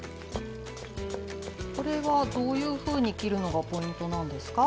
これはどういうふうに切るのがポイントなんですか？